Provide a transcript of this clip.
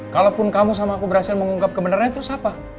kalaupun kamu sama aku berhasil mengungkap kebenarannya terus apa